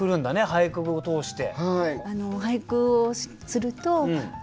俳句を通して。